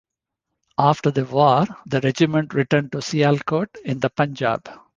After the war, the regiment returned to Sialkot in the Punjab.